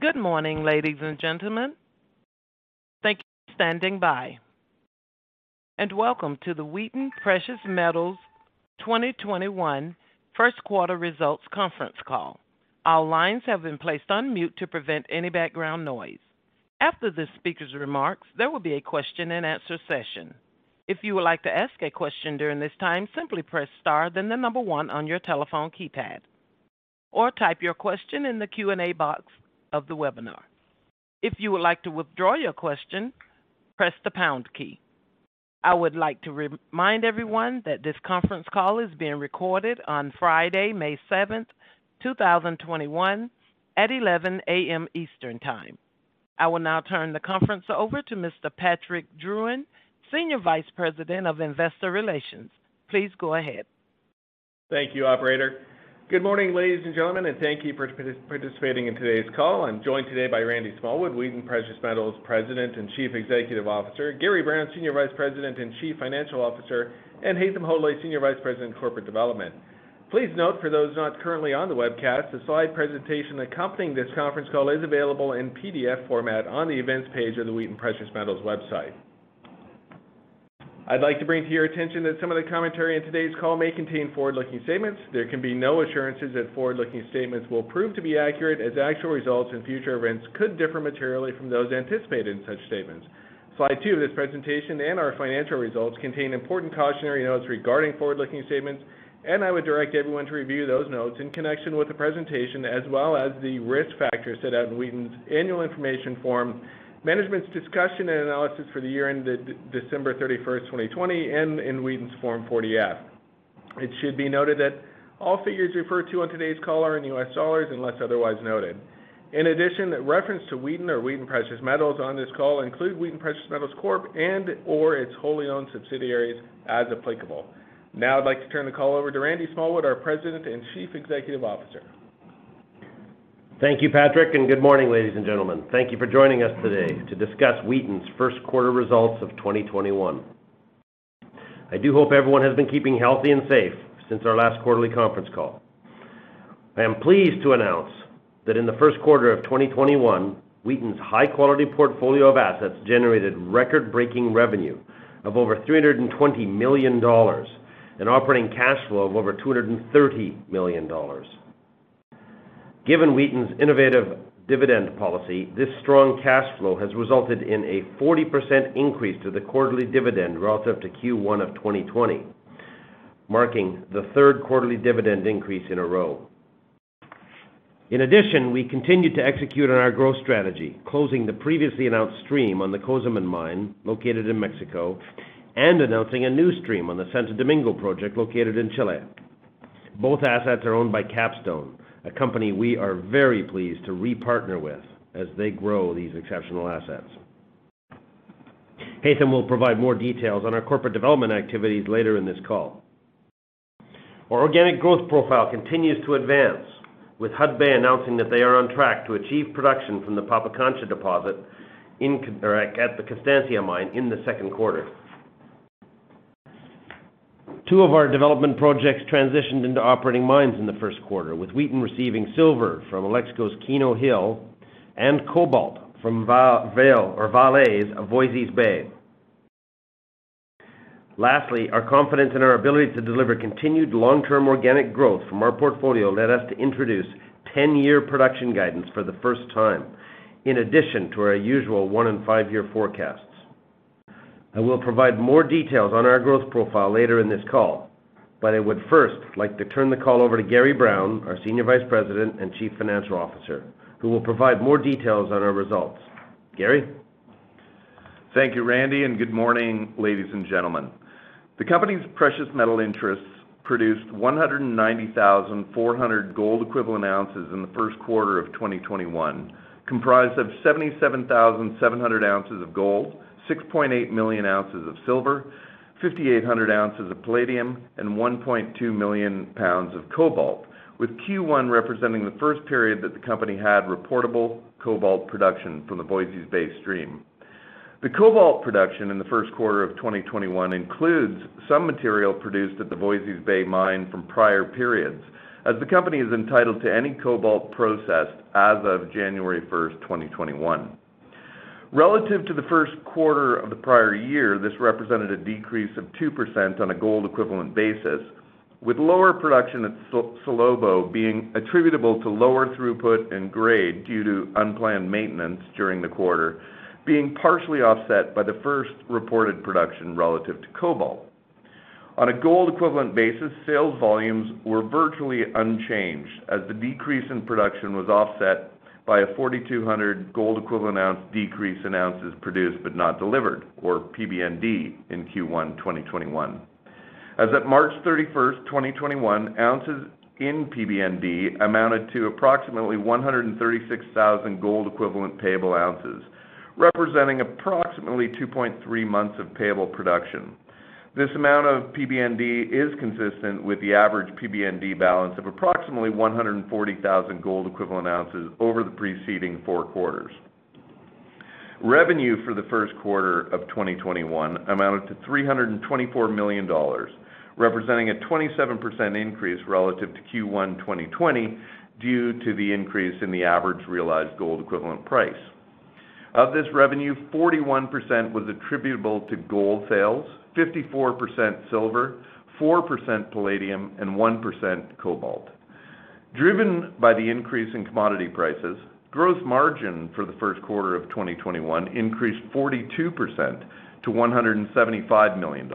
Good morning, ladies and gentlemen. Thank you for standing by, and welcome to the Wheaton Precious Metals 2021 first quarter results conference call. All lines have been placed on mute to prevent any background noise. After the speaker's remarks, there will be a question-and-answer session. If you would like to ask a question during this time, simply press star, then the number one on your telephone keypad or type your question in the Q&A box of the webinar. If you would like to withdraw your question, press the pound key. I would like to remind everyone that this conference call is being recorded on Friday, May 7, 2021, at 11:00 AM Eastern Time. I will now turn the conference over to Mr. Patrick Drouin, Senior Vice President of Investor Relations. Please go ahead. Thank you, operator. Good morning, ladies and gentlemen, thank you for participating in today's call. I'm joined today by Randy Smallwood, Wheaton Precious Metals President and Chief Executive Officer, Gary Brown, Senior Vice President and Chief Financial Officer, and Haytham Hodaly, Senior Vice President, Corporate Development. Please note for those not currently on the webcast, the slide presentation accompanying this conference call is available in PDF format on the Events page of the Wheaton Precious Metals website. I'd like to bring to your attention that some of the commentary in today's call may contain forward-looking statements. There can be no assurances that forward-looking statements will prove to be accurate, as actual results and future events could differ materially from those anticipated in such statements. Slide two of this presentation and our financial results contain important cautionary notes regarding forward-looking statements, and I would direct everyone to review those notes in connection with the presentation as well as the risk factors set out in Wheaton's annual information form, management's discussion and analysis for the year ended December 31, 2020, and in Wheaton's Form 40-F. It should be noted that all figures referred to on today's call are in U.S. dollars unless otherwise noted. In addition, reference to Wheaton or Wheaton Precious Metals on this call include Wheaton Precious Metals Corp. and/or its wholly owned subsidiaries as applicable. Now I'd like to turn the call over to Randy Smallwood, our President and Chief Executive Officer. Thank you, Patrick. Good morning, ladies and gentlemen. Thank you for joining us today to discuss Wheaton's first quarter results of 2021. I do hope everyone has been keeping healthy and safe since our last quarterly conference call. I am pleased to announce that in the first quarter of 2021, Wheaton's high-quality portfolio of assets generated record-breaking revenue of over $320 million and operating cash flow of over $230 million. Given Wheaton's innovative dividend policy, this strong cash flow has resulted in a 40% increase to the quarterly dividend relative to Q1 of 2020, marking the third quarterly dividend increase in a row. In addition, we continued to execute on our growth strategy, closing the previously announced stream on the Cozamin Mine located in Mexico and announcing a new stream on the Santo Domingo project located in Chile. Both assets are owned by Capstone, a company we are very pleased to repartner with as they grow these exceptional assets. Haytham will provide more details on our corporate development activities later in this call. Our organic growth profile continues to advance, with Hudbay announcing that they are on track to achieve production from the Pampacancha deposit at the Constancia mine in the second quarter. Two of our development projects transitioned into operating mines in the first quarter, with Wheaton receiving silver from Alexco's Keno Hill and cobalt from Vale's Voisey's Bay. Lastly, our confidence in our ability to deliver continued long-term organic growth from our portfolio led us to introduce 10-year production guidance for the first time, in addition to our usual one and five-year forecasts. I will provide more details on our growth profile later in this call, but I would first like to turn the call over to Gary Brown, our Senior Vice President and Chief Financial Officer, who will provide more details on our results. Gary? Thank you, Randy, and good morning, ladies and gentlemen. The company's precious metal interests produced 190,400 gold equivalent ounces in the first quarter of 2021, comprised of 77,700 ounces of gold, 6.8 million ounces of silver, 5,800 ounces of palladium, and 1.2 million pounds of cobalt, with Q1 representing the first period that the company had reportable cobalt production from the Voisey's Bay stream. The cobalt production in the first quarter of 2021 includes some material produced at the Voisey's Bay mine from prior periods, as the company is entitled to any cobalt processed as of January 1st, 2021. Relative to the first quarter of the prior year, this represented a decrease of 2% on a gold equivalent basis, with lower production at Salobo being attributable to lower throughput and grade due to unplanned maintenance during the quarter, being partially offset by the first reported production relative to cobalt. On a gold equivalent basis, sales volumes were virtually unchanged as the decrease in production was offset by a 4,200 gold equivalent ounce decrease in ounces produced but not delivered, or PBND, in Q1 2021. As of March 31st, 2021, ounces in PBND amounted to approximately 136,000 gold equivalent payable ounces, representing approximately 2.3 months of payable production. This amount of PBND is consistent with the average PBND balance of approximately 140,000 gold equivalent ounces over the preceding four quarters. Revenue for the first quarter of 2021 amounted to $324 million, representing a 27% increase relative to Q1 2020 due to the increase in the average realized gold equivalent price. Of this revenue, 41% was attributable to gold sales, 54% silver, 4% palladium, and 1% cobalt. Driven by the increase in commodity prices, gross margin for the first quarter of 2021 increased 42% to $175 million.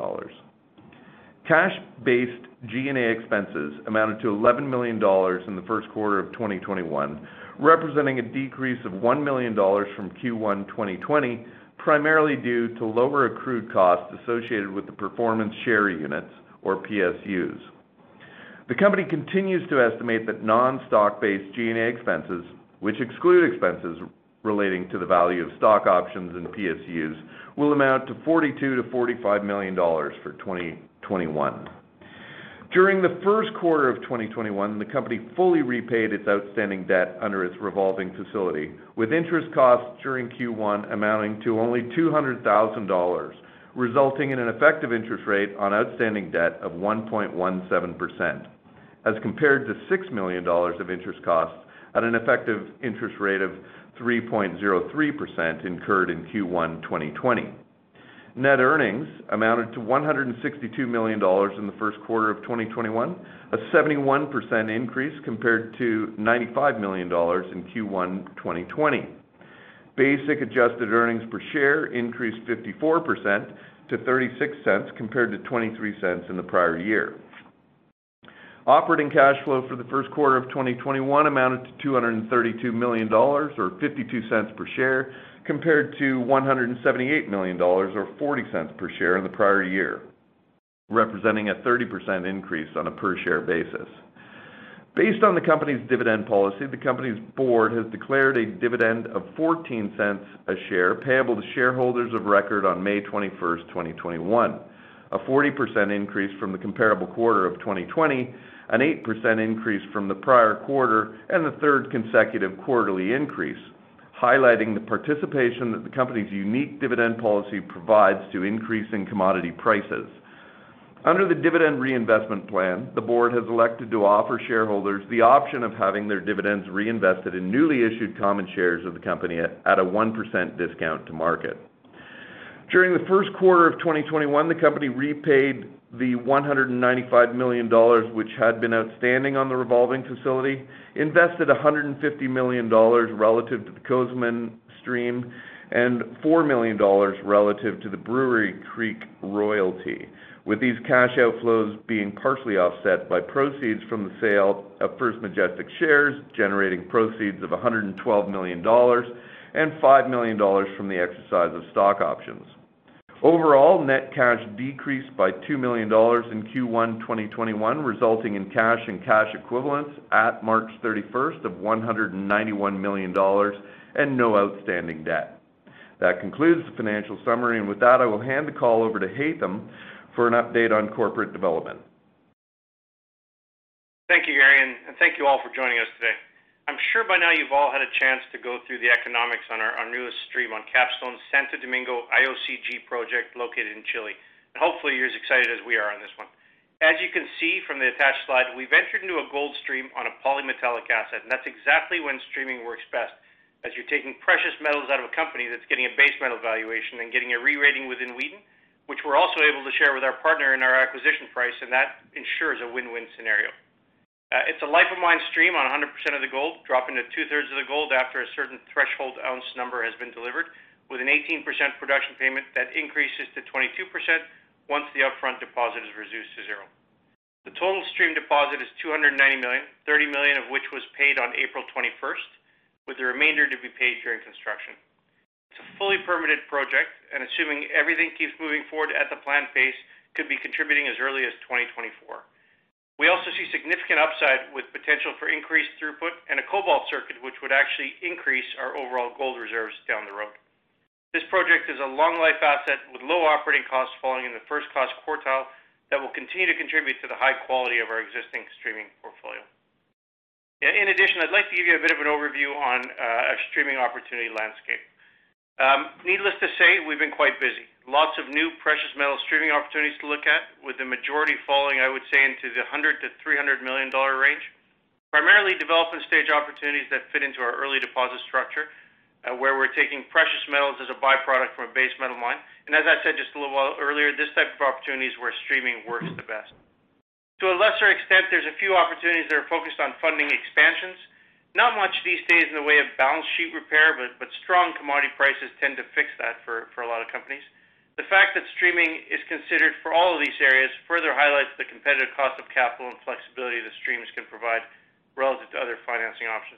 Cash-based G&A expenses amounted to $11 million in the first quarter of 2021, representing a decrease of $1 million from Q1 2020, primarily due to lower accrued costs associated with the performance share units, or PSUs. The company continues to estimate that non-stock-based G&A expenses, which exclude expenses relating to the value of stock options and PSUs, will amount to $42 million-$45 million for 2021. During the first quarter of 2021, the company fully repaid its outstanding debt under its revolving facility, with interest costs during Q1 amounting to only $200,000, resulting in an effective interest rate on outstanding debt of 1.17%, as compared to $6 million of interest costs at an effective interest rate of 3.03% incurred in Q1 2020. Net earnings amounted to $162 million in the first quarter of 2021, a 71% increase compared to $95 million in Q1 2020. Basic adjusted earnings per share increased 54% to $0.36 compared to $0.23 in the prior year. Operating cash flow for the first quarter of 2021 amounted to $232 million, or $0.52 per share, compared to $178 million or $0.40 per share in the prior year, representing a 30% increase on a per share basis. Based on the company's dividend policy, the company's board has declared a dividend of $0.14 a share payable to shareholders of record on May 21st, 2021, a 40% increase from the comparable quarter of 2020, an 8% increase from the prior quarter, and the third consecutive quarterly increase, highlighting the participation that the company's unique dividend policy provides to increasing commodity prices. Under the dividend reinvestment plan, the board has elected to offer shareholders the option of having their dividends reinvested in newly issued common shares of the company at a 1% discount to market. During the first quarter of 2021, the company repaid the $195 million, which had been outstanding on the revolving facility, invested $150 million relative to the Cozamin stream, and $4 million relative to the Brewery Creek royalty, with these cash outflows being partially offset by proceeds from the sale of First Majestic shares, generating proceeds of $112 million and $5 million from the exercise of stock options. Overall, net cash decreased by $2 million in Q1 2021, resulting in cash and cash equivalents at March 31st of $191 million and no outstanding debt. That concludes the financial summary. With that, I will hand the call over to Haytham for an update on corporate development. Thank you, Gary, and thank you all for joining us today. I'm sure by now you've all had a chance to go through the economics on our newest stream on Capstone's Santo Domingo IOCG project located in Chile. Hopefully, you're as excited as we are on this one. As you can see from the attached slide, we've entered into a gold stream on a polymetallic asset, and that's exactly when streaming works best, as you're taking precious metals out of a company that's getting a base metal valuation and getting a re-rating within Wheaton, which we're also able to share with our partner in our acquisition price, and that ensures a win-win scenario. It's a life of mine stream on 100% of the gold, dropping to 2/3s of the gold after a certain threshold ounce number has been delivered, with an 18% production payment that increases to 22% once the upfront deposit is reduced to zero. The total stream deposit is $290 million, $30 million of which was paid on April 21st, with the remainder to be paid during construction. Assuming everything keeps moving forward at the planned pace, could be contributing as early as 2024. We also see significant upside with potential for increased throughput and a cobalt circuit, which would actually increase our overall gold reserves down the road. This project is a long life asset with low operating costs falling in the first class quartile that will continue to contribute to the high quality of our existing streaming portfolio. In addition, I'd like to give you a bit of an overview on a streaming opportunity landscape. Needless to say, we've been quite busy. Lots of new precious metal streaming opportunities to look at, with the majority falling, I would say, into the $100 million-$300 million range. Primarily development stage opportunities that fit into our early deposit structure, where we're taking precious metals as a byproduct from a base metal mine. As I said just a little while earlier, this type of opportunity is where streaming works the best. To a lesser extent, there's a few opportunities that are focused on funding expansions, not much these days in the way of balance sheet repair, but strong commodity prices tend to fix that for a lot of companies. The fact that streaming is considered for all of these areas further highlights the competitive cost of capital and flexibility that streams can provide relative to other financing options.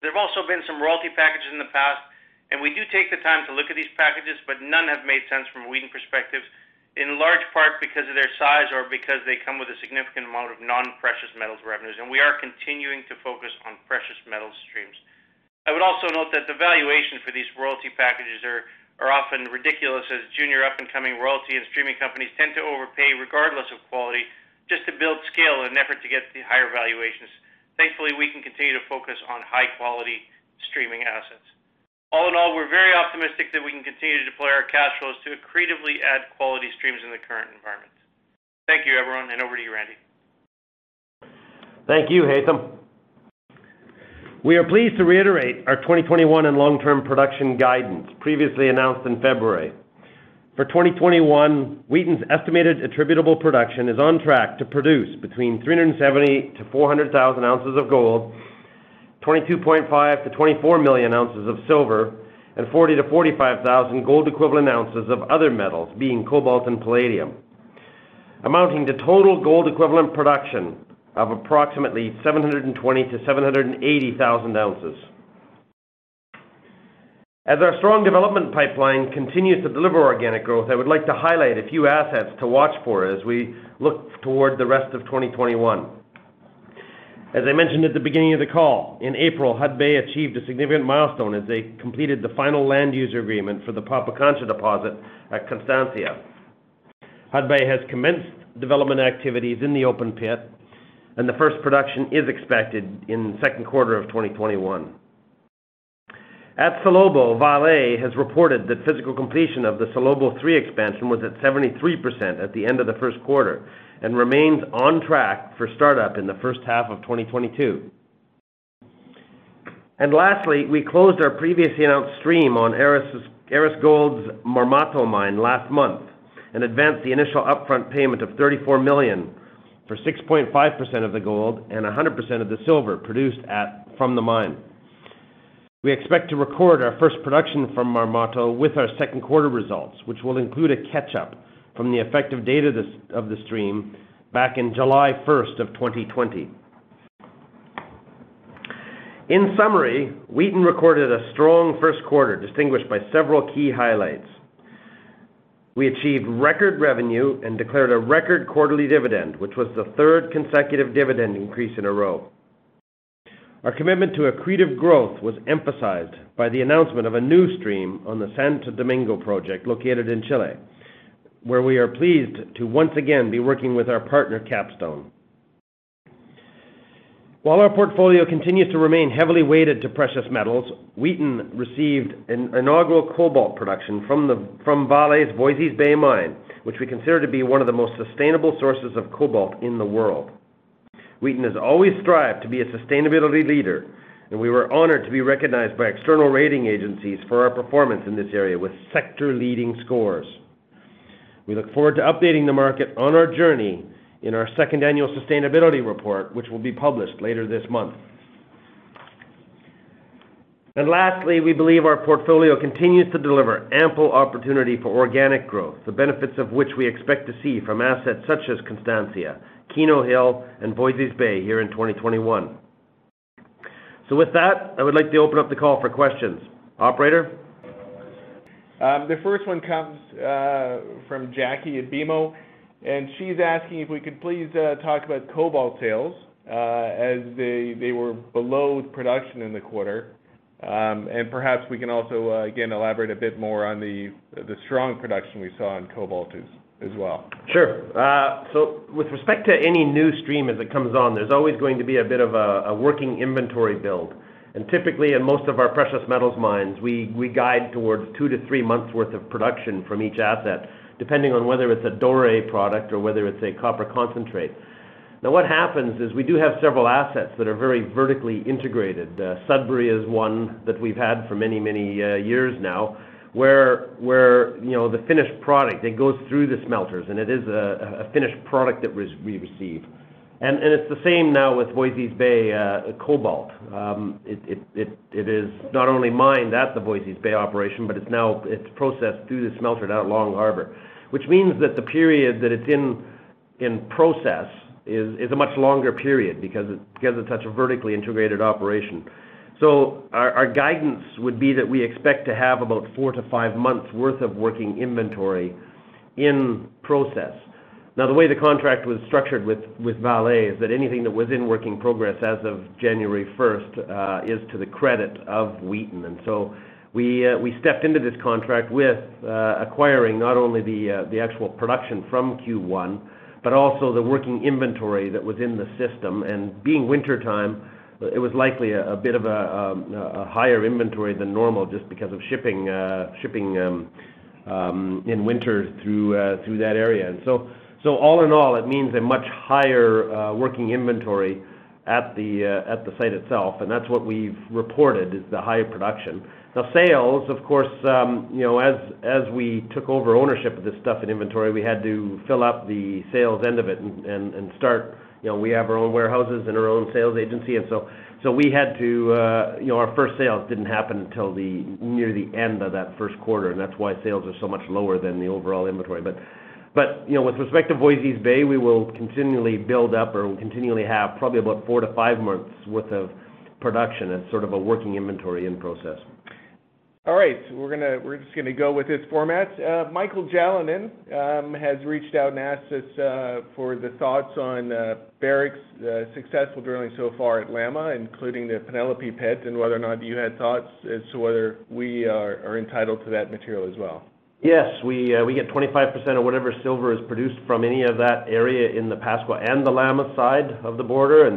There have also been some royalty packages in the past, and we do take the time to look at these packages, but none have made sense from a Wheaton perspective, in large part because of their size or because they come with a significant amount of non-precious metals revenues, and we are continuing to focus on precious metal streams. I would also note that the valuation for these royalty packages are often ridiculous as junior up-and-coming royalty and streaming companies tend to overpay regardless of quality, just to build scale in an effort to get the higher valuations. Thankfully, we can continue to focus on high-quality streaming assets. All in all, we're very optimistic that we can continue to deploy our cash flows to accretively add quality streams in the current environment. Thank you, everyone, and over to you, Randy. Thank you, Haytham. We are pleased to reiterate our 2021 and long-term production guidance, previously announced in February. For 2021, Wheaton's estimated attributable production is on track to produce between 370,000-400,000 ounces of gold, 22.5 million-24 million ounces of silver, and 40,000-45,000 gold equivalent ounces of other metals, being cobalt and palladium, amounting to total gold equivalent production of approximately 720,000 ounces-780,000 ounces. As our strong development pipeline continues to deliver organic growth, I would like to highlight a few assets to watch for as we look toward the rest of 2021. As I mentioned at the beginning of the call, in April, Hudbay achieved a significant milestone as they completed the final land use agreement for the Pampacancha deposit at Constancia. Hudbay has commenced development activities in the open pit, the first production is expected in the second quarter of 2021. At Salobo, Vale has reported that physical completion of the Salobo 3 expansion was at 73% at the end of the first quarter, and remains on track for startup in the first half of 2022. Lastly, we closed our previously announced stream on Aris Gold's Marmato mine last month and advanced the initial upfront payment of $34 million for 6.5% of the gold and 100% of the silver produced from the mine. We expect to record our first production from Marmato with our second quarter results, which will include a catch-up from the effective date of the stream back in July 1st of 2020. In summary, Wheaton recorded a strong first quarter distinguished by several key highlights. We achieved record revenue and declared a record quarterly dividend, which was the third consecutive dividend increase in a row. Our commitment to accretive growth was emphasized by the announcement of a new stream on the Santo Domingo project located in Chile, where we are pleased to once again be working with our partner, Capstone. While our portfolio continues to remain heavily weighted to precious metals, Wheaton received an inaugural cobalt production from Vale's Voisey's Bay mine, which we consider to be one of the most sustainable sources of cobalt in the world. Wheaton has always strived to be a sustainability leader, and we were honored to be recognized by external rating agencies for our performance in this area with sector leading scores. We look forward to updating the market on our journey in our second annual sustainability report, which will be published later this month. Lastly, we believe our portfolio continues to deliver ample opportunity for organic growth, the benefits of which we expect to see from assets such as Constancia, Keno Hill, and Voisey's Bay here in 2021. With that, I would like to open up the call for questions. Operator? The first one comes from Jackie at BMO. She's asking if we could please talk about cobalt sales as they were below production in the quarter. Perhaps we can also, again, elaborate a bit more on the strong production we saw in cobalt, too, as well. Sure. With respect to any new stream as it comes on, there's always going to be a bit of a working inventory build. Typically, in most of our precious metals mines, we guide towards two to three months worth of production from each asset, depending on whether it's a dore product or whether it's a copper concentrate. What happens is we do have several assets that are very vertically integrated. Sudbury is one that we've had for many years now, where the finished product that goes through the smelters, and it is a finished product that we receive. It's the same now with Voisey's Bay Cobalt. It is not only mined at the Voisey's Bay operation, but it's now processed through the smelter down at Long Harbour, which means that the period that it's in process is a much longer period because it's such a vertically integrated operation. Our guidance would be that we expect to have about four to five months worth of working inventory in process. Now, the way the contract was structured with Vale is that anything that was in working progress as of January 1st is to the credit of Wheaton. We stepped into this contract with acquiring not only the actual production from Q1, but also the working inventory that was in the system. Being wintertime, it was likely a bit of a higher inventory than normal just because of shipping in winter through that area. All in all, it means a much higher working inventory at the site itself, and that's what we've reported is the higher production. Sales, of course, as we took over ownership of this stuff in inventory, we had to fill up the sales end of it and start. We have our own warehouses and our own sales agency, our first sales didn't happen until near the end of that first quarter, and that's why sales are so much lower than the overall inventory. With respect to Voisey's Bay, we will continually build up or continually have probably about four to five months worth of production as sort of a working inventory in process. All right. We're just going to go with this format. Michael Jalonen has reached out and asked us for the thoughts on Barrick's successful drilling so far at Lama, including the Penelope pit, and whether or not you had thoughts as to whether we are entitled to that material as well. Yes. We get 25% of whatever silver is produced from any of that area in the Pascua and the Lama side of the border.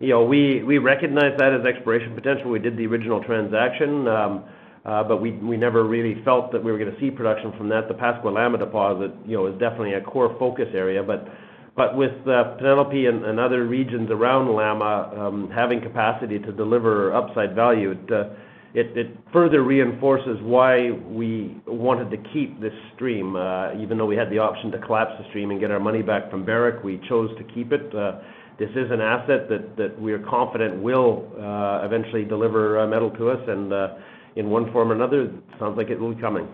We recognized that as exploration potential. We did the original transaction, but we never really felt that we were going to see production from that. The Pascua-Lama deposit is definitely a core focus area. With Penelope and other regions around Lama having capacity to deliver upside value, it further reinforces why we wanted to keep this stream. Even though we had the option to collapse the stream and get our money back from Barrick, we chose to keep it. This is an asset that we are confident will eventually deliver metal to us, and in one form or another, it sounds like it will be coming.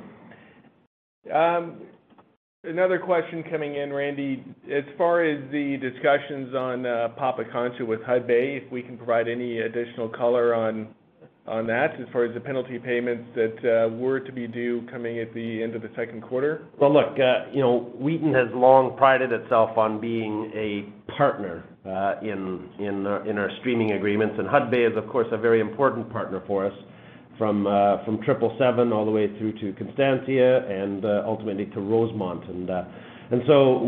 Another question coming in, Randy. As far as the discussions on Pampacancha with Hudbay, if we can provide any additional color on that as far as the penalty payments that were to be due coming at the end of the second quarter? Well, look, Wheaton has long prided itself on being a partner in our streaming agreements, and Hudbay is, of course, a very important partner for us from 777 all the way through to Constancia and ultimately to Rosemont.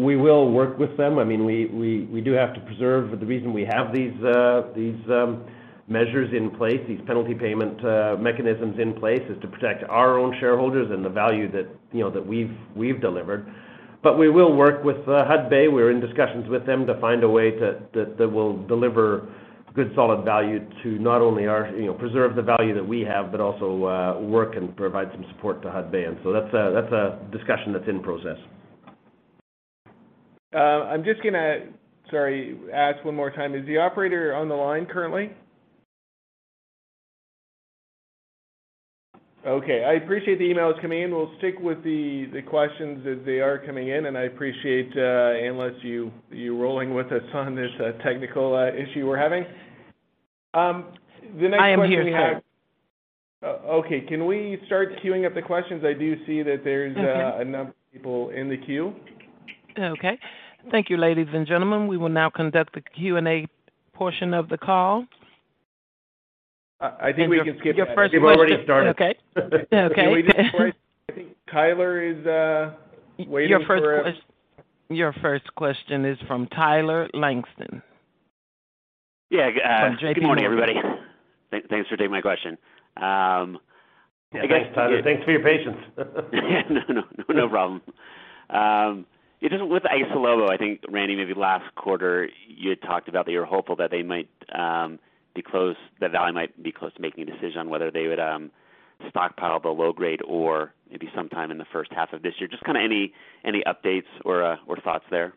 We will work with them. We do have to preserve The reason we have these measures in place, these penalty payment mechanisms in place, is to protect our own shareholders and the value that we've delivered. We will work with Hudbay. We're in discussions with them to find a way that will deliver good, solid value to not only preserve the value that we have, but also work and provide some support to Hudbay. That's a discussion that's in process. I'm just going to, sorry, ask one more time. Is the operator on the line currently? Okay, I appreciate the emails coming in. We'll stick with the questions as they are coming in, and I appreciate, analyst, you rolling with us on this technical issue we're having. The next question we have- I am here, sir. Okay. Can we start queuing up the questions? Okay A number of people in the queue. Okay. Thank you, ladies and gentlemen. We will now conduct the Q&A portion of the call. I think we can skip that. Your first question- We've already started. Okay. I think Tyler is waiting for us. Your first question is from Tyler Langton. Yeah. Good morning, everybody. Thanks for taking my question. Thanks, Tyler. Thanks for your patience. Yeah. No, no. No problem. Just with Salobo, I think, Randy, maybe last quarter, you had talked about that you were hopeful that Vale might be close to making a decision on whether they would stockpile the low grade ore, maybe sometime in the first half of this year. Just any updates or thoughts there?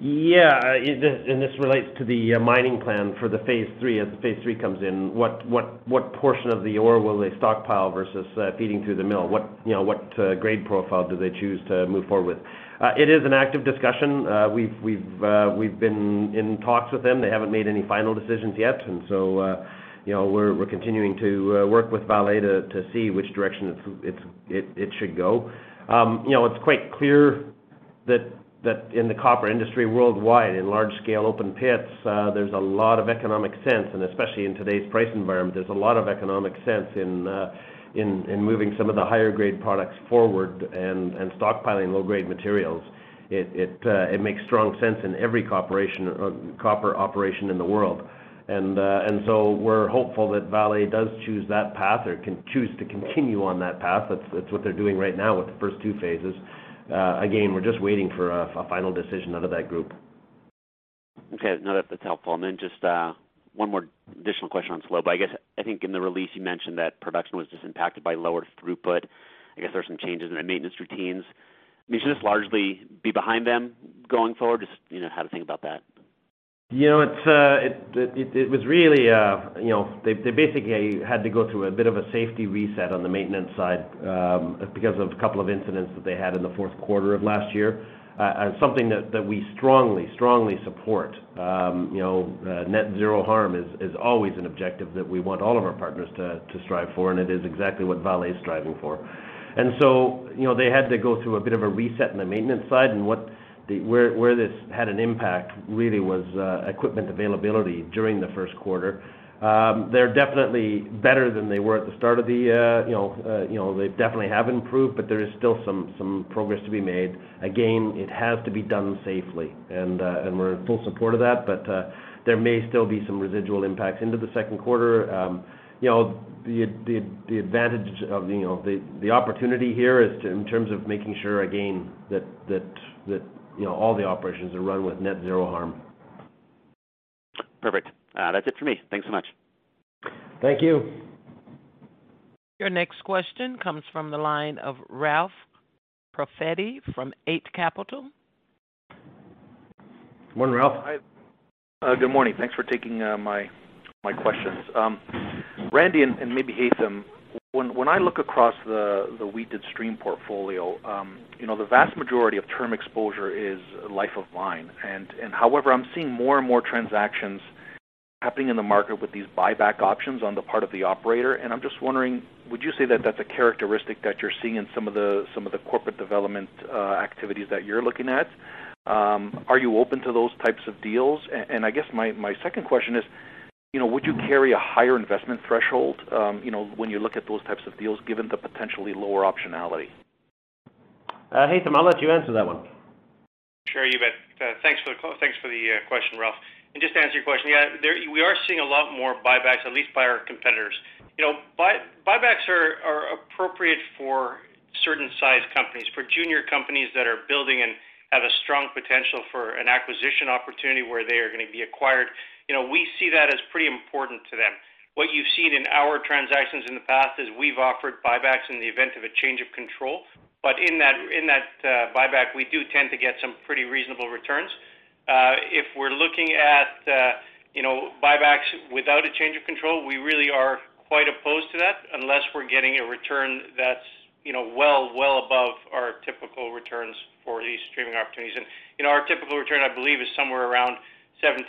Yeah. This relates to the mining plan for the phase three, as phase three comes in. What portion of the ore will they stockpile versus feeding through the mill? What grade profile do they choose to move forward with? It is an active discussion. We've been in talks with them. They haven't made any final decisions yet. So, we're continuing to work with Vale to see which direction it should go. It's quite clear that in the copper industry worldwide, in large scale open pits, there's a lot of economic sense, and especially in today's price environment, there's a lot of economic sense in moving some of the higher grade products forward and stockpiling low grade materials. It makes strong sense in every copper operation in the world. So we're hopeful that Vale does choose that path or can choose to continue on that path. That's what they're doing right now with the first two phases. Again, we're just waiting for a final decision out of that group. Okay. No, that's helpful. Just one more additional question on Salobo. In the release you mentioned that production was just impacted by lower throughput. There's some changes in the maintenance routines. Should this largely be behind them going forward? Just how to think about that. They basically had to go through a bit of a safety reset on the maintenance side, because of a couple of incidents that they had in the fourth quarter of last year. Something that we strongly support. Net zero harm is always an objective that we want all of our partners to strive for, and it is exactly what Vale is striving for. They had to go through a bit of a reset on the maintenance side, and where this had an impact, really, was equipment availability during the first quarter. They're definitely better than they were at the start. They definitely have improved, but there is still some progress to be made. Again, it has to be done safely, and we're in full support of that, but there may still be some residual impacts into the second quarter. The opportunity here is in terms of making sure, again, that all the operations are run with net zero harm. Perfect. That's it for me. Thanks so much. Thank you. Your next question comes from the line of Ralph Profiti from Eight Capital. Morning, Ralph. Hi. Good morning. Thanks for taking my questions. Randy, and maybe Haytham. When I look across the Wheaton stream portfolio, the vast majority of term exposure is life of mine. However, I'm seeing more and more transactions happening in the market with these buyback options on the part of the operator, and I'm just wondering, would you say that that's a characteristic that you're seeing in some of the corporate development activities that you're looking at? Are you open to those types of deals? I guess my second question is, would you carry a higher investment threshold when you look at those types of deals, given the potentially lower optionality? Haytham, I'll let you answer that one. Sure, you bet. Thanks for the question, Ralph. Just to answer your question, yeah, we are seeing a lot more buybacks, at least by our competitors. Buybacks are appropriate for certain size companies. For junior companies that are building and have a strong potential for an acquisition opportunity where they are going to be acquired, we see that as pretty important to them. What you've seen in our transactions in the past is we've offered buybacks in the event of a change of control. In that buyback, we do tend to get some pretty reasonable returns. If we're looking at buybacks without a change of control, we really are quite opposed to that unless we're getting a return that's well above our typical returns for these streaming opportunities. Our typical return, I believe, is somewhere around 17%.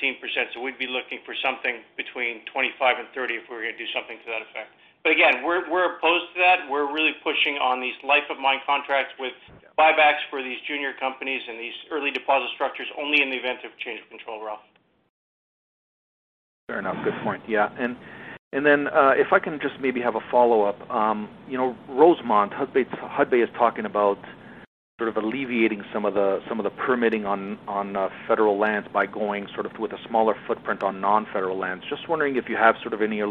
We'd be looking for something between 25% and 30% if we were going to do something to that effect. Again, we're opposed to that. We're really pushing on these life of mine contracts with buybacks for these junior companies and these early deposit structures only in the event of change of control, Ralph. Fair enough. Good point, yeah. If I can just maybe have a follow-up. Rosemont, HudBay is talking about sort of alleviating some of the permitting on federal lands by going with a smaller footprint on non-federal lands. Just wondering if you have any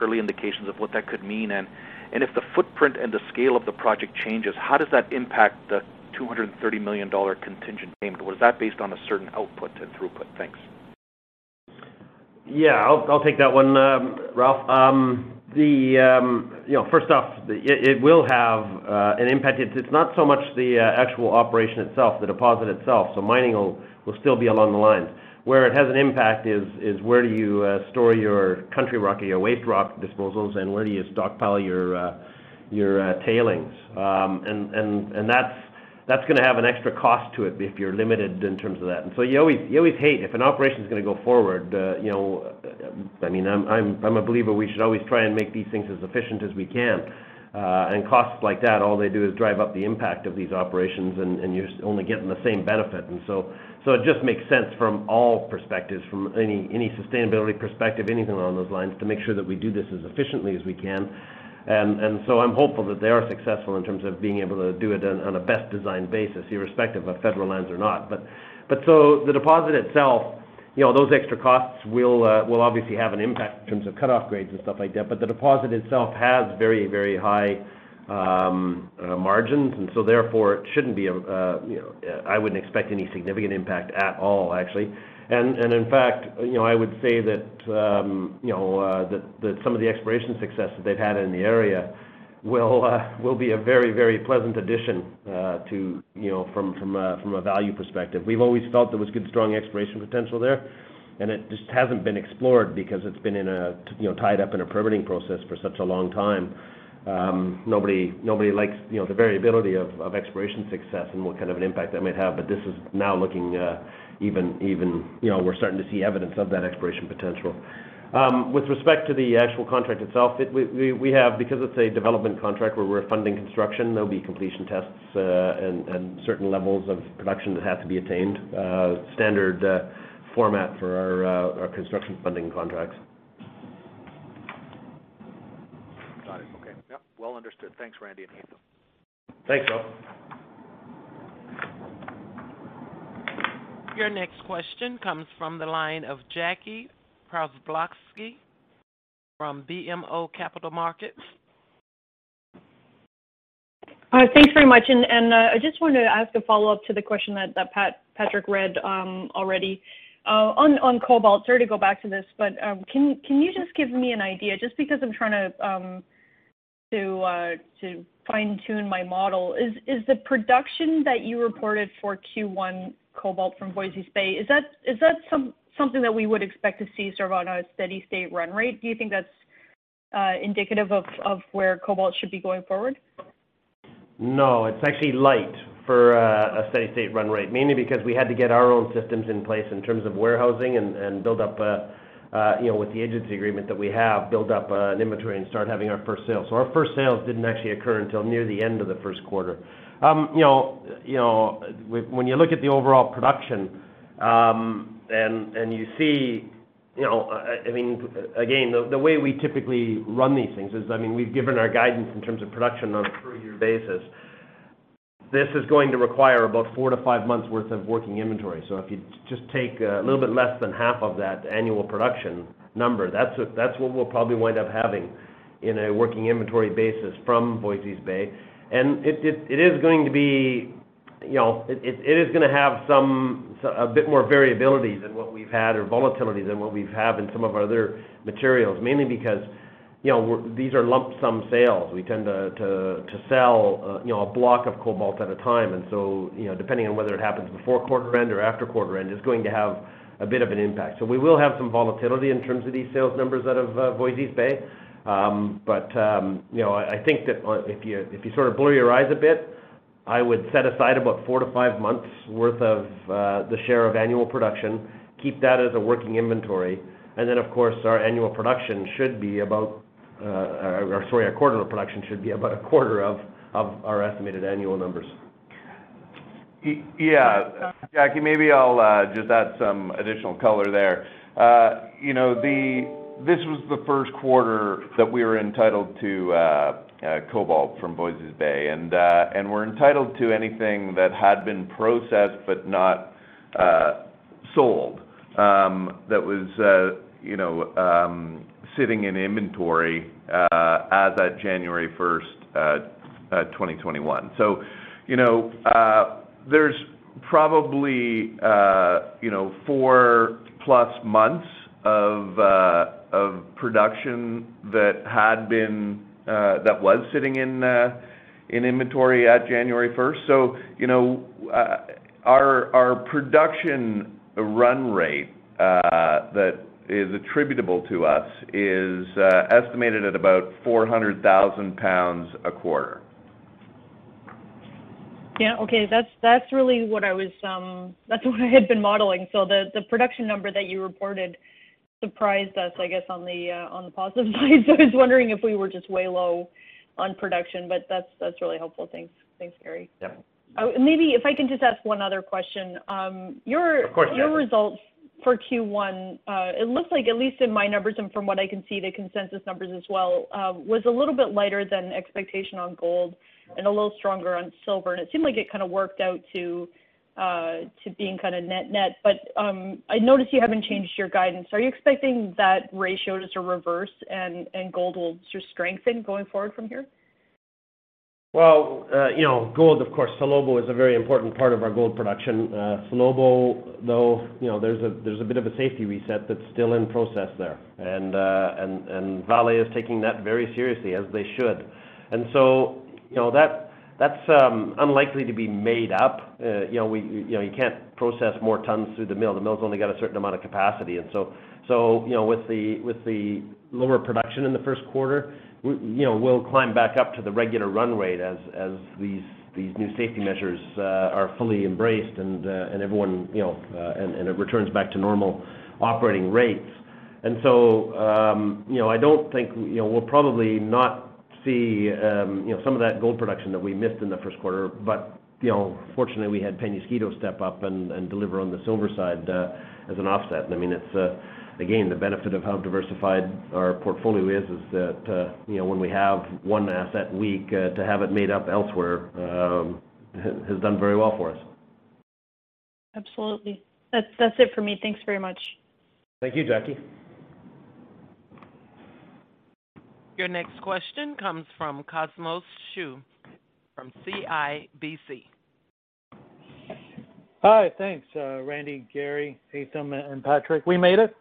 early indications of what that could mean, and if the footprint and the scale of the project changes, how does that impact the $230 million contingent payment? Is that based on a certain output and throughput? Thanks. Yeah, I'll take that one, Ralph. First off, it will have an impact. It's not so much the actual operation itself, the deposit itself. Mining will still be along the lines. Where it has an impact is, where do you store your country rock or your waste rock disposals, and where do you stockpile your tailings? That's going to have an extra cost to it if you're limited in terms of that. You always hate, if an operation's going to go forward, I'm a believer we should always try and make these things as efficient as we can. Costs like that, all they do is drive up the impact of these operations, and you're only getting the same benefit. It just makes sense from all perspectives, from any sustainability perspective, anything along those lines, to make sure that we do this as efficiently as we can. I'm hopeful that they are successful in terms of being able to do it on a best design basis, irrespective of federal lands or not. The deposit itself, those extra costs will obviously have an impact in terms of cutoff grades and stuff like that, but the deposit itself has very high margins. Therefore, I wouldn't expect any significant impact at all, actually. In fact, I would say that some of the exploration success that they've had in the area will be a very pleasant addition from a value perspective. We've always felt there was good, strong exploration potential there, and it just hasn't been explored because it's been tied up in a permitting process for such a long time. Nobody likes the variability of exploration success and what kind of an impact that might have, but this is now looking, we're starting to see evidence of that exploration potential. With respect to the actual contract itself, because it's a development contract where we're funding construction, there'll be completion tests, and certain levels of production that have to be attained. Standard format for our construction funding contracts. Got it. Okay. Yep. Well understood. Thanks, Randy and Haytham. Thanks, Ralph. Your next question comes from the line of Jackie Przybylowski from BMO Capital Markets. Thanks very much. I just wanted to ask a follow-up to the question that Patrick read already. On cobalt, sorry to go back to this, but can you just give me an idea, just because I'm trying to fine-tune my model is the production that you reported for Q1 cobalt from Voisey's Bay, is that something that we would expect to see sort of on a steady state run rate? Do you think that's indicative of where cobalt should be going forward? No, it's actually light for a steady state run rate, mainly because we had to get our own systems in place in terms of warehousing and build up, with the agency agreement that we have, build up an inventory and start having our first sale. Our first sales didn't actually occur until near the end of the first quarter. When you look at the overall production, and you see, again, the way we typically run these things is, we've given our guidance in terms of production on a per year basis. This is going to require about four to five months worth of working inventory. If you just take a little bit less than half of that annual production number, that's what we'll probably wind up having in a working inventory basis from Voisey's Bay. It is going to have a bit more variability than what we've had, or volatility than what we've had in some of our other materials, mainly because these are lump sum sales. We tend to sell a block of cobalt at a time. Depending on whether it happens before quarter end or after quarter end, it's going to have a bit of an impact. We will have some volatility in terms of these sales numbers out of Voisey's Bay. I think that if you sort of blur your eyes a bit, I would set aside about four to five months worth of the share of annual production, keep that as a working inventory, and then, of course, our annual production should be about, or sorry, our quarterly production should be about a quarter of our estimated annual numbers. Yeah. Jackie, maybe I'll just add some additional color there. This was the first quarter that we were entitled to cobalt from Voisey's Bay. We're entitled to anything that had been processed but not sold. That was sitting in inventory as at January 1st, 2021. There's probably four plus months of production that was sitting in inventory at January 1st. Our production run rate that is attributable to us is estimated at about 400,000 pounds a quarter. Yeah. Okay. That's what I had been modeling. The production number that you reported surprised us, I guess, on the positive side. I was wondering if we were just way low on production, but that's really helpful. Thanks, Gary. Yeah. Maybe if I can just ask one other question. Of course, yeah. Your results for Q1, it looks like, at least in my numbers and from what I can see, the consensus numbers as well, was a little bit lighter than expectation on gold and a little stronger on silver, and it seemed like it worked out to being net-net. I noticed you haven't changed your guidance. Are you expecting that ratio just to reverse and gold will just strengthen going forward from here? Well, gold, of course, Salobo is a very important part of our gold production. Salobo, though, there's a bit of a safety reset that's still in process there. Vale is taking that very seriously, as they should. That's unlikely to be made up. You can't process more tons through the mill. The mill's only got a certain amount of capacity, and so with the lower production in the first quarter, we'll climb back up to the regular run rate as these new safety measures are fully embraced and it returns back to normal operating rates. We'll probably not see some of that gold production that we missed in the first quarter, but fortunately, we had Peñasquito step up and deliver on the silver side as an offset. Again, the benefit of how diversified our portfolio is that when we have one asset weak, to have it made up elsewhere, has done very well for us. Absolutely. That's it for me. Thanks very much. Thank you, Jackie. Your next question comes from Cosmos Chiu from CIBC. Hi. Thanks, Randy, Gary, Haytham, and Patrick. We made it.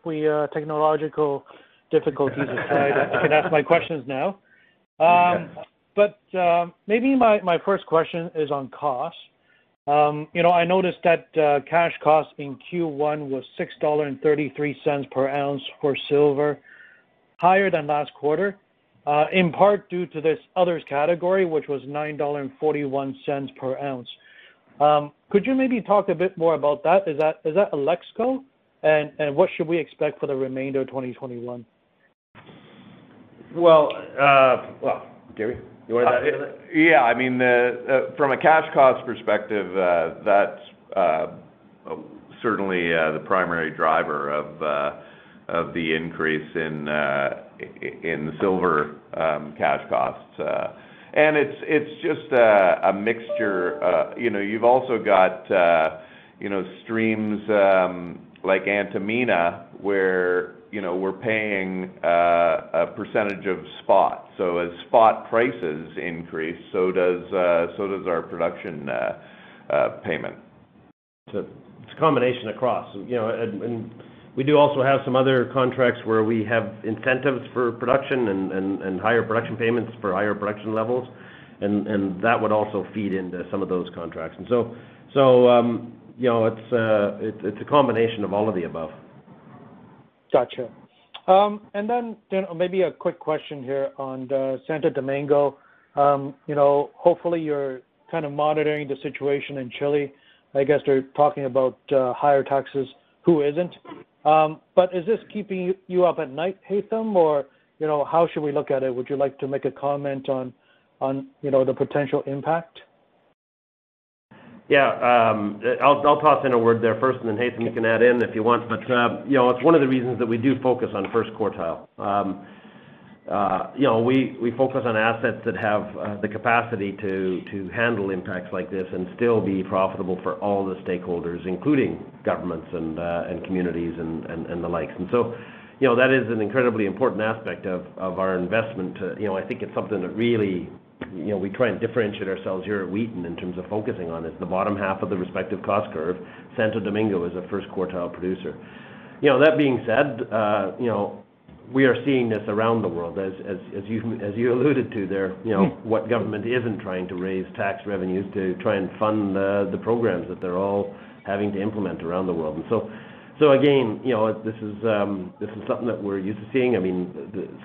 Technological difficulties aside, I can ask my questions now. Maybe my first question is on cost. I noticed that cash cost in Q1 was $6.33 per ounce for silver, higher than last quarter, in part due to this others category, which was $9.41 per ounce. Could you maybe talk a bit more about that? Is that Alexco, and what should we expect for the remainder of 2021? Well, Gary, you want to take it? From a cash cost perspective, that's certainly the primary driver of the increase in the silver cash costs. It's just a mixture. You've also got streams like Antamina where we're paying a percentage of spot. As spot prices increase, so does our production payment. It's a combination across. We do also have some other contracts where we have incentives for production and higher production payments for higher production levels, and that would also feed into some of those contracts. It's a combination of all of the above. Got you. Maybe a quick question here on the Santo Domingo. Hopefully, you're kind of monitoring the situation in Chile. I guess they're talking about higher taxes. Who isn't? Is this keeping you up at night, Haytham, or how should we look at it? Would you like to make a comment on the potential impact? Yeah. I'll toss in a word there first, and then Haytham, you can add in if you want. It's one of the reasons that we do focus on first quartile. We focus on assets that have the capacity to handle impacts like this and still be profitable for all the stakeholders, including governments and communities, and the likes. That is an incredibly important aspect of our investment. I think it's something that really we try and differentiate ourselves here at Wheaton in terms of focusing on is the bottom half of the respective cost curve. Santo Domingo is a first quartile producer. That being said, we are seeing this around the world, as you alluded to there. What government isn't trying to raise tax revenues to try and fund the programs that they're all having to implement around the world? Again, this is something that we're used to seeing.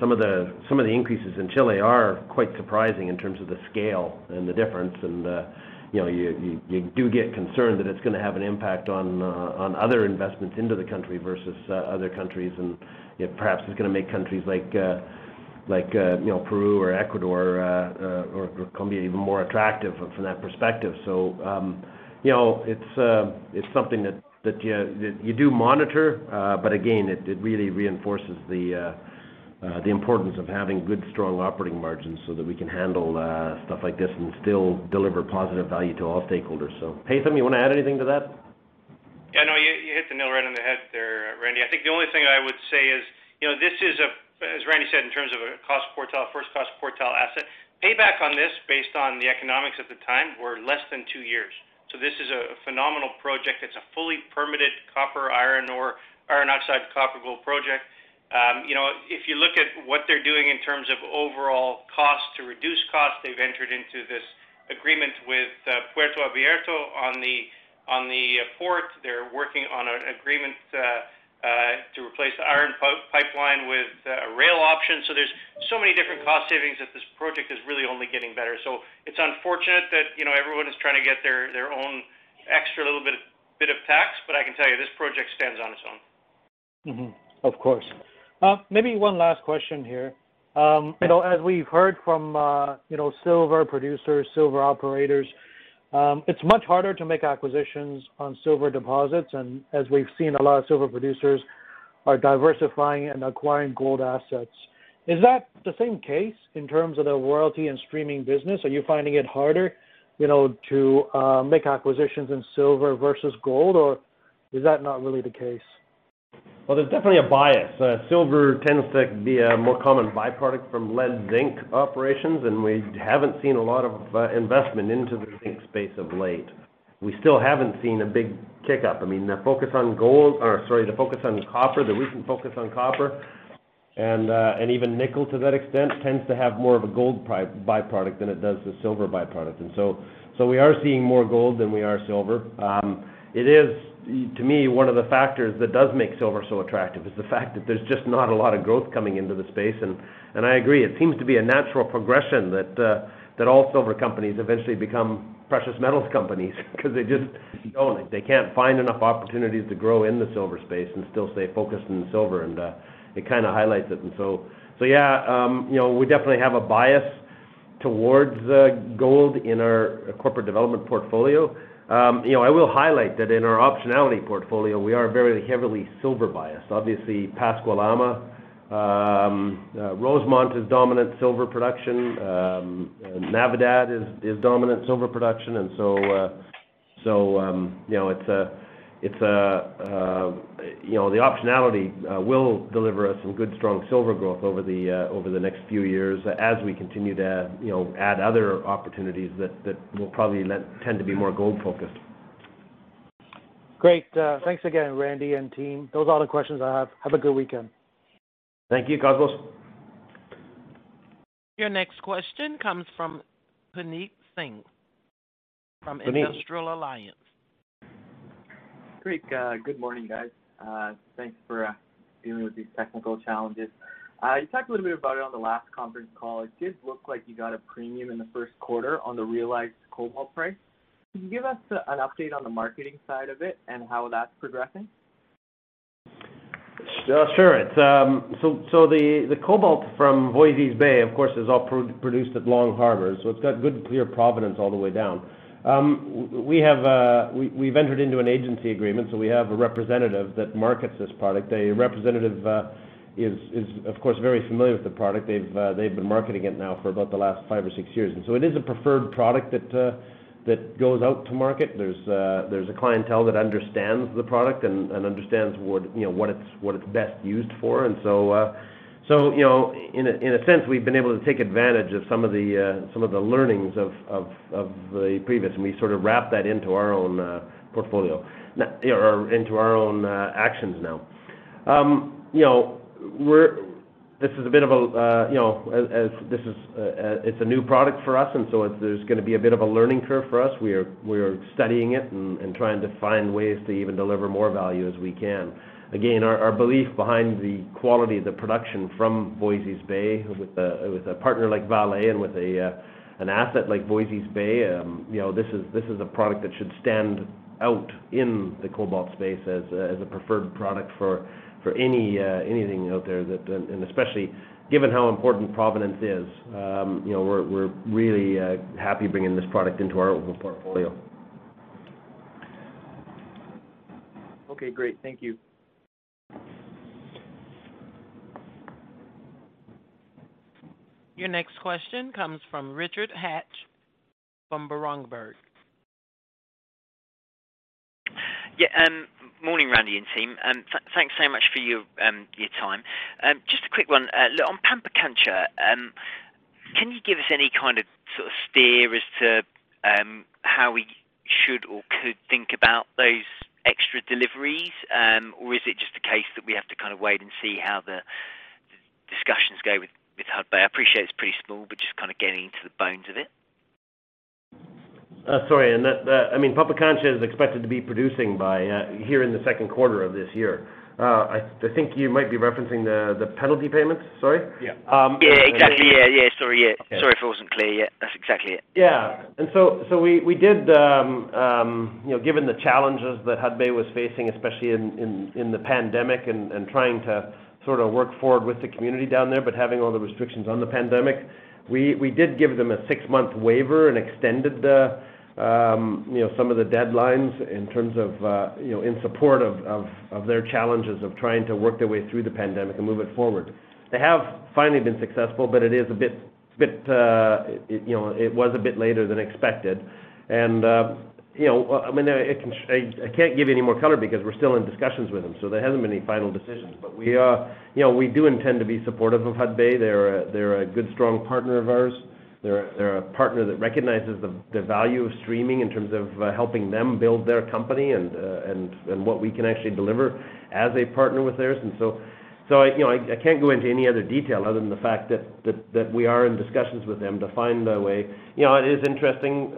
Some of the increases in Chile are quite surprising in terms of the scale and the difference, and you do get concerned that it's going to have an impact on other investments into the country versus other countries, and perhaps it's going to make countries like Peru or Ecuador or Colombia even more attractive from that perspective. It's something that you do monitor, but again, it really reinforces the The importance of having good, strong operating margins so that we can handle stuff like this and still deliver positive value to all stakeholders. Haytham, you want to add anything to that? Yeah, no, you hit the nail right on the head there, Randy. I think the only thing I would say is, as Randy said, in terms of a first cost quartile asset, payback on this based on the economics at the time, were less than two years. This is a phenomenal project. It's a fully permitted copper iron ore, iron oxide copper gold project. If you look at what they're doing in terms of overall costs to reduce costs, they've entered into this agreement with Puerto Abierto on the port. They're working on an agreement to replace the iron pipeline with a rail option. There's so many different cost savings that this project is really only getting better. It's unfortunate that everyone is trying to get their own extra little bit of tax. I can tell you, this project stands on its own. Mm-hmm. Of course. Maybe one last question here. As we've heard from silver producers, silver operators, it's much harder to make acquisitions on silver deposits and as we've seen, a lot of silver producers are diversifying and acquiring gold assets. Is that the same case in terms of the royalty and streaming business? Are you finding it harder to make acquisitions in silver versus gold, or is that not really the case? Well, there's definitely a bias. Silver tends to be a more common byproduct from lead zinc operations. We haven't seen a lot of investment into the zinc space of late. We still haven't seen a big kick up. The focus on copper, the recent focus on copper, and even nickel to that extent, tends to have more of a gold byproduct than it does a silver byproduct. We are seeing more gold than we are silver. It is, to me, one of the factors that does make silver so attractive is the fact that there's just not a lot of growth coming into the space. I agree, it seems to be a natural progression that all silver companies eventually become precious metals companies because they just don't, they can't find enough opportunities to grow in the silver space and still stay focused on silver, and it kind of highlights it. Yes, we definitely have a bias towards gold in our corporate development portfolio. I will highlight that in our optionality portfolio, we are very heavily silver biased. Obviously, Pascua-Lama, Rosemont is dominant silver production, Navidad is dominant silver production. The optionality will deliver us some good, strong silver growth over the next few years as we continue to add other opportunities that will probably tend to be more gold focused. Great. Thanks again, Randy and team. Those are all the questions I have. Have a good weekend. Thank you, Cosmos. Your next question comes from Puneet Singh from Industrial Alliance. Great. Good morning, guys. Thanks for dealing with these technical challenges. You talked a little bit about it on the last conference call. It did look like you got a premium in the first quarter on the realized cobalt price. Can you give us an update on the marketing side of it and how that's progressing? Sure. The cobalt from Voisey's Bay, of course, is all produced at Long Harbour, so it's got good, clear provenance all the way down. We've entered into an agency agreement, so we have a representative that markets this product. The representative is, of course, very familiar with the product. They've been marketing it now for about the last five or six years. It is a preferred product that goes out to market. There's a clientele that understands the product and understands what it's best used for. In a sense, we've been able to take advantage of some of the learnings of the previous, and we sort of wrap that into our own actions now. It's a new product for us, and so there's going to be a bit of a learning curve for us. We are studying it and trying to find ways to even deliver more value as we can. Again, our belief behind the quality of the production from Voisey's Bay with a partner like Vale and with an asset like Voisey's Bay, this is a product that should stand out in the cobalt space as a preferred product for anything out there, and especially given how important provenance is. We're really happy bringing this product into our portfolio. Okay, great. Thank you. Your next question comes from Richard Hatch from Berenberg. Morning, Randy and team. Thanks so much for your time. Just a quick one. Look, on Pampacancha, can you give us any kind of steer as to how we should or could think about those extra deliveries? Or is it just a case that we have to wait and see how the discussions go with Hudbay? I appreciate it's pretty small, but just getting into the bones of it. Sorry. I mean, Pampacancha is expected to be producing by here in the second quarter of this year. I think you might be referencing the penalty payments. Sorry. Yeah, exactly. Yeah. Sorry if it wasn't clear yet. That's exactly it. Yeah. Given the challenges that Hudbay was facing, especially in the pandemic and trying to work forward with the community down there, but having all the restrictions on the pandemic, we did give them a six-month waiver and extended some of the deadlines in support of their challenges of trying to work their way through the pandemic and move it forward. They have finally been successful, it was a bit later than expected. I can't give you any more color because we're still in discussions with them, so there hasn't been any final decisions. We do intend to be supportive of Hudbay. They're a good, strong partner of ours. They're a partner that recognizes the value of streaming in terms of helping them build their company and what we can actually deliver as a partner with theirs. I can't go into any other detail other than the fact that we are in discussions with them to find a way. It is interesting.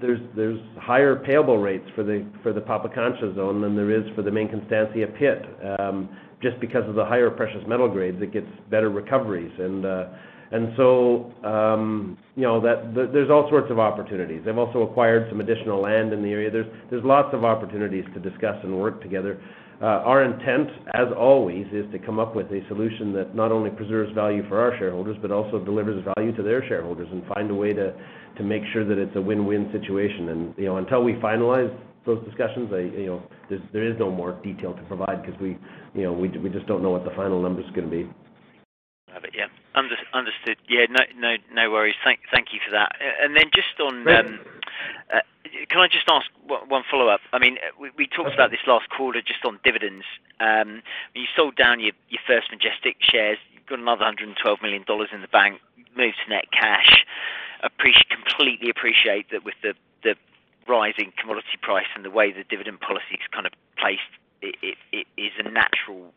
There's higher payable rates for the Pampacancha zone than there is for the main Constancia pit. Just because of the higher precious metal grades, it gets better recoveries. There's all sorts of opportunities. They've also acquired some additional land in the area. There's lots of opportunities to discuss and work together. Our intent, as always, is to come up with a solution that not only preserves value for our shareholders but also delivers value to their shareholders and find a way to make sure that it's a win-win situation. Until we finalize those discussions, there is no more detail to provide because we just don't know what the final numbers are going to be. Got it. Yeah. Understood. No worries. Thank you for that. Can I just ask one follow-up? We talked about this last quarter, just on dividends. You sold down your First Majestic shares. You've got another $112 million in the bank, moved to net cash. Completely appreciate that with the rising commodity price and the way the dividend policy is placed, it is a natural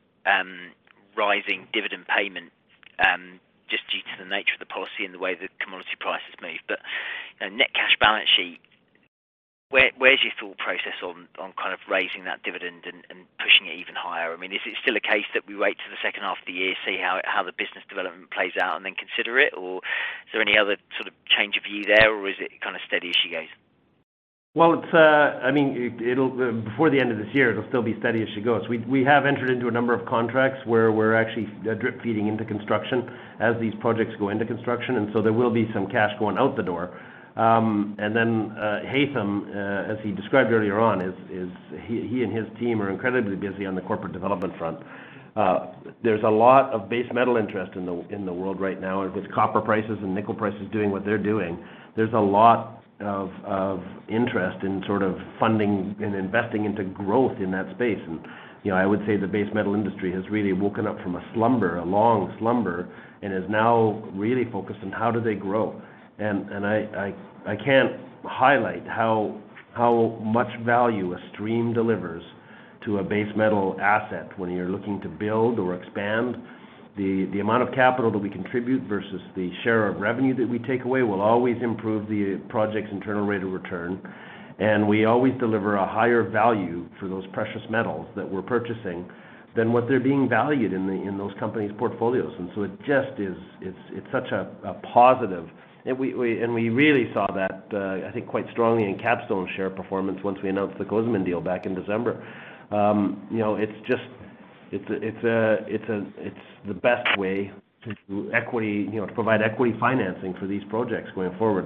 rising dividend payment, just due to the nature of the policy and the way the commodity price has moved. Net cash balance sheet, where's your thought process on raising that dividend and pushing it even higher? Is it still a case that we wait till the second half of the year, see how the business development plays out, and then consider it, or is there any other change of view there, or is it steady as she goes? Before the end of this year, it'll still be steady as she goes. We have entered into a number of contracts where we're actually drip-feeding into construction as these projects go into construction, so there will be some cash going out the door. Then Haytham, as he described earlier on, he and his team are incredibly busy on the corporate development front. There's a lot of base metal interest in the world right now. With copper prices and nickel prices doing what they're doing, there's a lot of interest in funding and investing into growth in that space. I would say the base metal industry has really woken up from a slumber, a long slumber, and is now really focused on how do they grow. I can't highlight how much value a stream delivers to a base metal asset when you're looking to build or expand. The amount of capital that we contribute versus the share of revenue that we take away will always improve the project's internal rate of return. We always deliver a higher value for those precious metals that we're purchasing than what they're being valued in those companies' portfolios. It just is such a positive. We really saw that, I think, quite strongly in Capstone share performance once we announced the Cozamin deal back in December. It's the best way to provide equity financing for these projects going forward.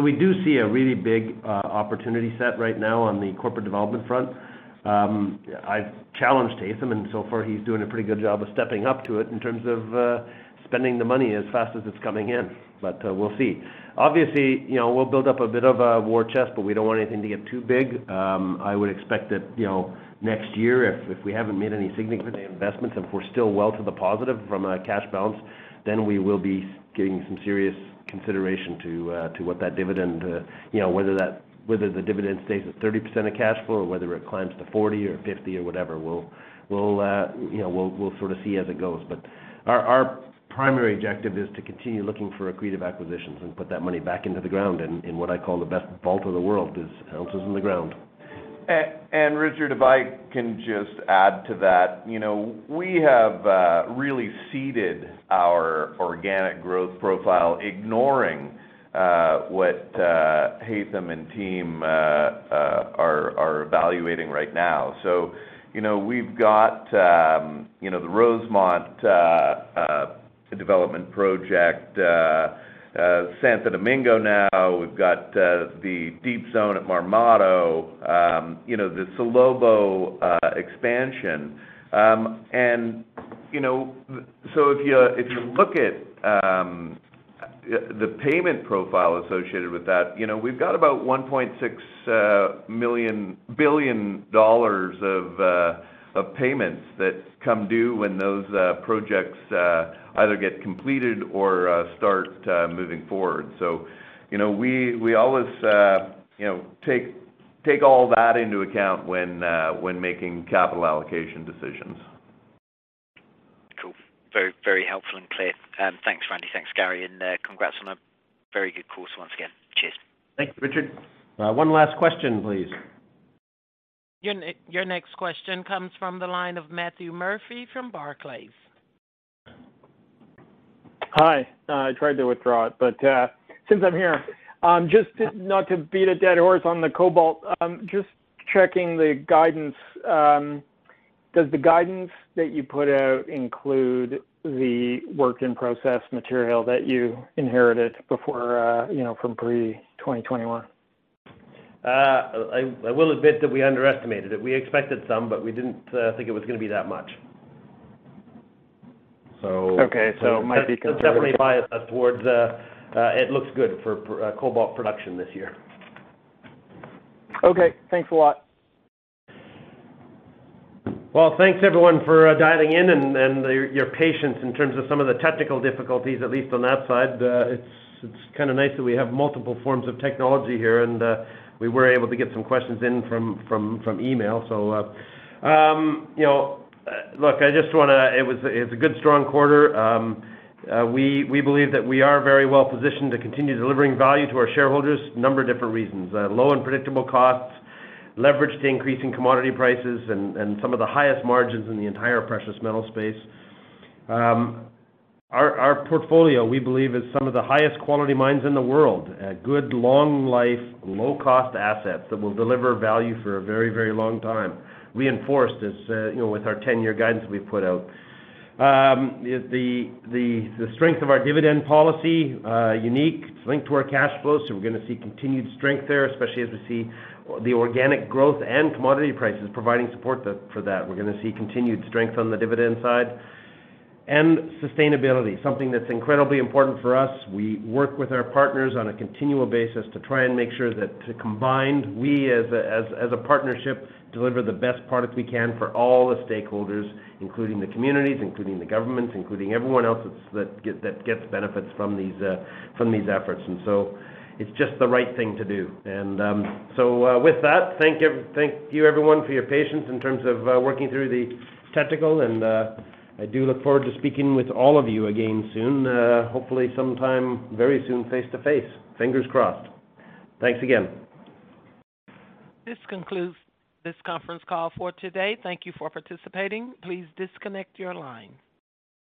We do see a really big opportunity set right now on the corporate development front. I've challenged Haytham, so far he's doing a pretty good job of stepping up to it in terms of spending the money as fast as it's coming in. We'll see. Obviously, we'll build up a bit of a war chest, but we don't want anything to get too big. I would expect that next year, if we haven't made any significant investments and if we're still well to the positive from a cash balance, then we will be giving some serious consideration to what that dividend, whether the dividend stays at 30% of cash flow or whether it climbs to 40% or 50% or whatever. We'll sort of see as it goes. Our primary objective is to continue looking for accretive acquisitions and put that money back into the ground in what I call the best vault of the world, is ounces in the ground. Richard, if I can just add to that. We have really seeded our organic growth profile, ignoring what Haytham and team are evaluating right now. We've got the Rosemont development project, Santo Domingo now. We've got the deep zone at Marmato, the Salobo expansion. If you look at the payment profile associated with that, we've got about $1.6 billion of payments that come due when those projects either get completed or start moving forward. We always take all that into account when making capital allocation decisions. Cool. Very helpful and clear. Thanks, Randy. Thanks, Gary. Congrats on a very good quarter once again. Cheers. Thank you, Richard. One last question, please. Your next question comes from the line of Matthew Murphy from Barclays. Hi. I tried to withdraw it, but since I'm here, just not to beat a dead horse on the cobalt, just checking the guidance. Does the guidance that you put out include the work-in-process material that you inherited from pre-2021? I will admit that we underestimated it. We expected some. We didn't think it was going to be that much. Okay. That definitely bias us towards it looks good for cobalt production this year. Okay. Thanks a lot. Well, thanks everyone for dialing in and your patience in terms of some of the technical difficulties, at least on that side. It's kind of nice that we have multiple forms of technology here, and we were able to get some questions in from email. Look, it's a good, strong quarter. We believe that we are very well positioned to continue delivering value to our shareholders, number of different reasons, low and predictable costs, leverage the increase in commodity prices, and some of the highest margins in the entire precious metal space. Our portfolio, we believe, is some of the highest quality mines in the world. Good long life, low-cost assets that will deliver value for a very long time, reinforced with our 10-year guidance we've put out. The strength of our dividend policy, unique, it's linked to our cash flows. We're going to see continued strength there, especially as we see the organic growth and commodity prices providing support for that. We're going to see continued strength on the dividend side. Sustainability, something that's incredibly important for us. We work with our partners on a continual basis to try and make sure that combined, we as a partnership, deliver the best product we can for all the stakeholders, including the communities, including the governments, including everyone else that gets benefits from these efforts. It's just the right thing to do. With that, thank you everyone for your patience in terms of working through the technical and I do look forward to speaking with all of you again soon. Hopefully sometime very soon face-to-face. Fingers crossed. Thanks again. This concludes this conference call for today. Thank you for participating. Please disconnect your line.